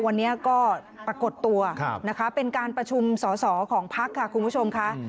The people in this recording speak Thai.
วันนี้ก็ปรากฏตัวนะคะเป็นการประชุมสอสอของพักค่ะคุณผู้ชมค่ะ